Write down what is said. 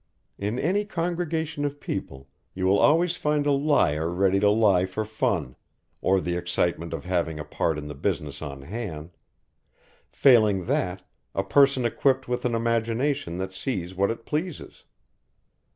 In any congregation of people you will always find a liar ready to lie for fun, or the excitement of having a part in the business on hand; failing that, a person equipped with an imagination that sees what it pleases.